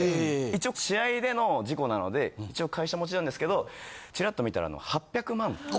一応試合での事故なので一応会社持ちなんですけどチラッと見たら。